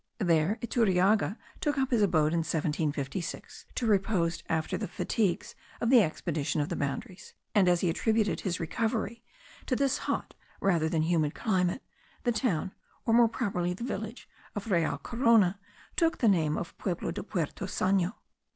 There Iturriaga took up his abode in 1756, to repose after the fatigues of the expedition of the boundaries; and as he attributed his recovery to this hot rather than humid climate, the town, or more properly the village, of Real Corona took the name of Pueblo del Puerto sano.